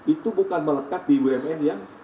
itu bukan melekat di bumn yang